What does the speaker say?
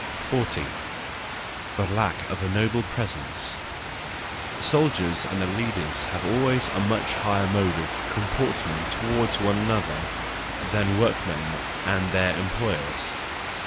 40. The Lack of a noble Presence. —Soldiers and their leaders have always a much higher mode of com¬ portment toward one another than workmen and their employers.